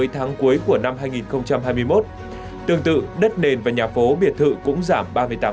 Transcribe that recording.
tương tự đất nền và nhà phố biệt thự cũng giảm ba mươi tám